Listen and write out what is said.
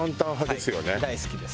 大好きです。